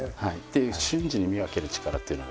ていう瞬時に見分ける力っていうのが。